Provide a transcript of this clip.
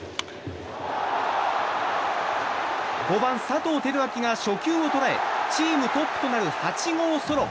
５番、佐藤輝明が初球を捉えチームトップとなる８号ソロ！